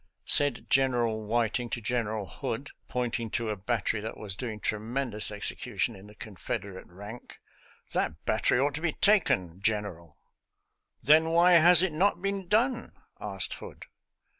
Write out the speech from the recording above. •♦♦ Said General Whiting to General Hood, point ing to a battery that was doing tremendous exe cution in the Confederate rank, " That battery ought to be taken. General." " Then why has it not been done?" asked Hood.